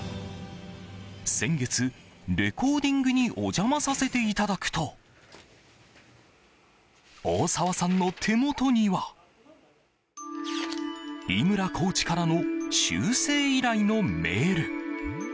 先月、レコーディングにお邪魔させていただくと大沢さんの手元には井村コーチからの修正依頼のメール。